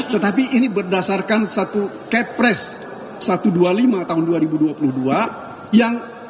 tetapi ini berdasarkan satu kepres satu ratus dua puluh lima tahun dua ribu dua puluh dua yang